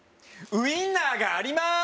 ウインナーがあります！